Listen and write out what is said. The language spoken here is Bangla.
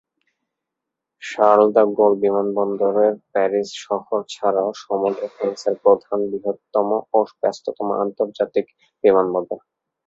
শার্ল দ্য গোল বিমানবন্দর প্যারিস শহর ছাড়াও সমগ্র ফ্রান্সের প্রধান, বৃহত্তম ও ব্যস্ততম আন্তর্জাতিক বিমানবন্দর।